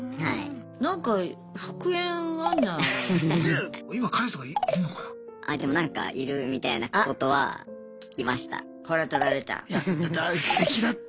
なんかでもなんかいるみたいなことは聞きました。